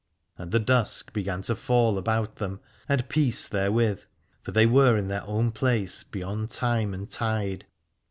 And the dusk began to fall about them and peace therewith, for they were in their own place beyond time and tide.